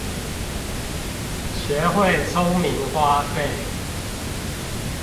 學會聰明花費